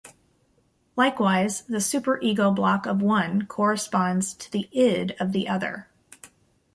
Likewise, the super-ego block of one corresponds to the id of the other.